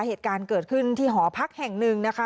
เหตุการณ์เกิดขึ้นที่หอพักแห่งหนึ่งนะคะ